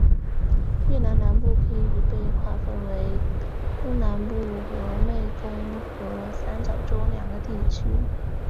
越南南部可以被再划分为东南部和湄公河三角洲两个地理区域。